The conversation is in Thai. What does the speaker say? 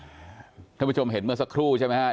ท่านผู้ชมเห็นเมื่อสักครู่ใช่ไหมครับ